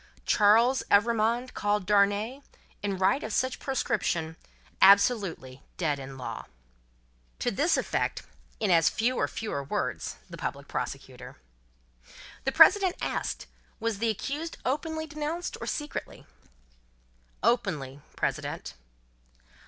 Charles Evrémonde, called Darnay, in right of such proscription, absolutely Dead in Law. To this effect, in as few or fewer words, the Public Prosecutor. The President asked, was the Accused openly denounced or secretly? "Openly, President."